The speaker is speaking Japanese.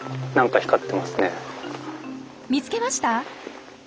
見つけました？